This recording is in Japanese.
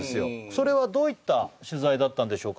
それはどういった取材だったんでしょうか？